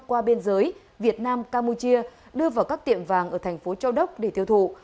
qua biên giới việt nam campuchia đưa vào các tiệm vàng ở thành phố châu đốc để thiêu thụ